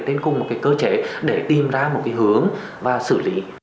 trên cùng một cái cơ chế để tìm ra một cái hướng và xử lý